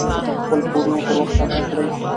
خپل پورونه پر وخت ادا کړئ.